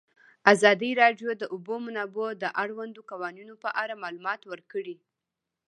ازادي راډیو د د اوبو منابع د اړونده قوانینو په اړه معلومات ورکړي.